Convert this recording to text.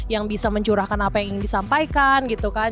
yang bisa mencurahkan apa yang ingin disampaikan gitu kan